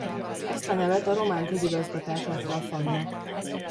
Ezt a nevet a román közigazgatás adta a falunak.